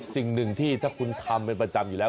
สิ่งหนึ่งที่ถ้าคุณทำเป็นประจำอยู่แล้ว